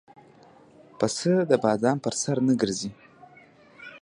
پسه د بام پر سر نه ګرځي.